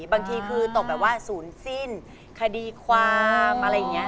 บางทีคือตกแบบว่าศูนย์สิ้นคดีความอะไรอย่างนี้